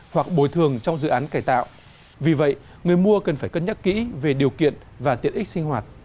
hoặc bước vào các căn hộ trung cư